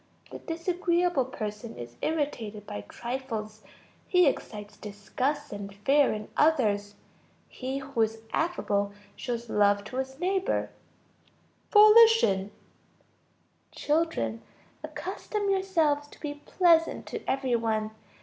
The disagreeable person is irritated by trifles. He excites disgust and fear in others. He who is affable shows love to his neighbor. Volition. Children, accustom yourselves to be pleasant to every one.